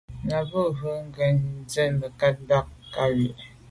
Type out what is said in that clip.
À’ nâ’ bə́ mbrə̀ bú gə ́yɑ́nə́ zə̀ mə̀kát mbâ ngɑ̀ zwí.